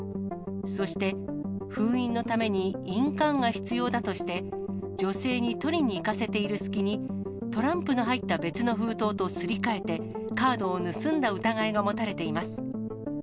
そして、封印のために印鑑が必要だとして、女性に取りに行かせている隙に、トランプの入った別の封筒とすり替えて、カードを盗んだ疑いが持たれています。